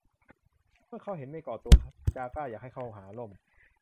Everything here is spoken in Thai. เมื่อเขาเห็นเมฆก่อตัว จาก้าอยากให้เขาหาร่ม